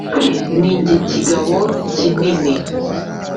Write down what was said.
ni jye kigabo kinini